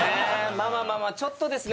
まあまあまあちょっとですね